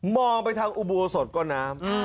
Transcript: มองไปทางอุบุโวสดก็น้ำ